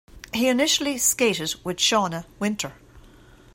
He initially skated with Shawna Winter.